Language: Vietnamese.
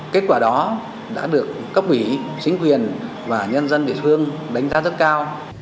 kết quả đó đã được cấp ủy chính quyền và nhân dân địa phương đánh giá rất cao